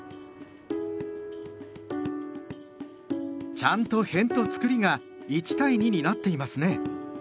ちゃんとへんとつくりが１対２になっていますね。